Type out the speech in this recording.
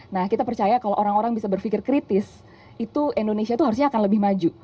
nah kita percaya kalau orang orang bisa berpikir kritis itu indonesia itu harusnya akan lebih maju